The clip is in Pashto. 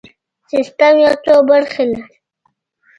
سیستم یو څو برخې لري.